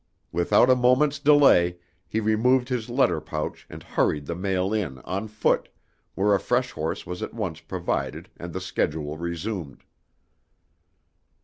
Without a moment's delay, he removed his letter pouch and hurried the mail in on foot, where a fresh horse was at once provided and the schedule resumed.